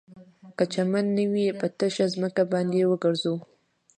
که چمن نه وي په تشه ځمکه باید وګرځو